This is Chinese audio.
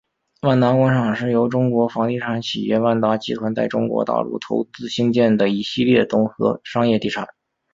万达广场是由中国房地产企业万达集团在中国大陆投资兴建的一系列综合商业地产。